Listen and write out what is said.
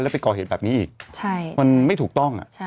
ไปก่อเหตุแบบนี้อีกมันไม่ถูกต้อง